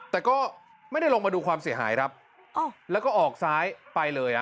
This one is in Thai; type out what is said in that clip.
แต่ก็ไม่ได้ลงมาดูความเสียหายครับแล้วก็ออกซ้ายไปเลยอ่ะ